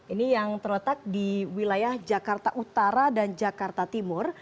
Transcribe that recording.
ini yang terletak di wilayah jakarta utara dan jakarta timur